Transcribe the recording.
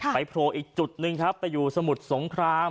โผล่อีกจุดหนึ่งครับไปอยู่สมุทรสงคราม